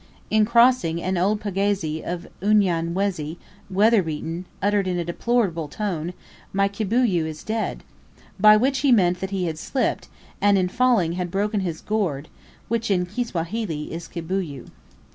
In crossing, an old pagazi of Unyamwezi, weather beaten, uttered, in a deplorable tone, "My kibuyu is dead;" by which he meant that he had slipped, and in falling had broken his gourd, which in Kisawahili is "kibuyu."